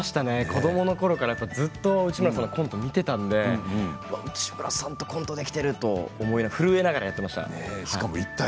子どものころからずっと内村さんの番組を見ていたので一緒にコントができていると震えながらやっていました。